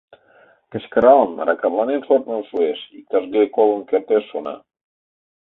Кычкыралын, ракатланен шортмыжо шуэш — иктаж-кӧ колын кертеш шона.